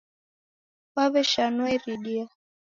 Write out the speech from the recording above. Waw'eshanua iridia